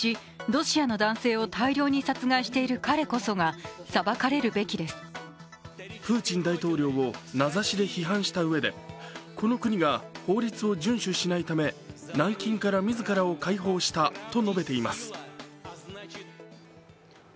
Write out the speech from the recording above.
逃亡防止用の電子タグを見せてプーチン大統領を名指しで批判したうえでこの国が法律を順守しないため、軟禁から自らを解放したと述べています。